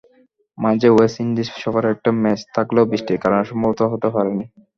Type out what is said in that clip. মাঝে West Indies সফরে একটা ম্যাচ থাকলেও বৃষ্টির কারণে সম্ভবত হতে পারেনি।